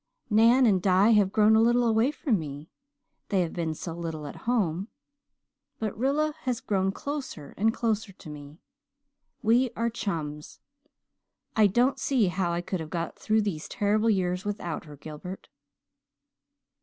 Nan and Di have grown a little away from me they have been so little at home but Rilla has grown closer and closer to me. We are chums. I don't see how I could have got through these terrible years without her, Gilbert.'